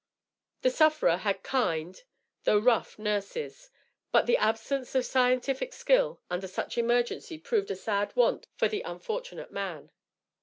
The sufferer had kind, though rough nurses; but, the absence of scientific skill, under such emergency, proved a sad want for the unfortunate man.